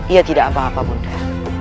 ia tidak apa apa bunda